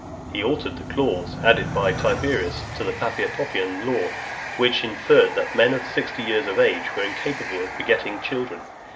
He altered a clause added by Tiberius to the Papia Poppaean law , which inferred that men of sixty years of age were incapable of begetting children.